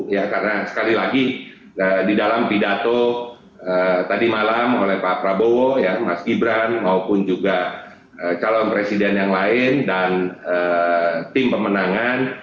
ya karena sekali lagi di dalam pidato tadi malam oleh pak prabowo ya mas gibran maupun juga calon presiden yang lain dan tim pemenangan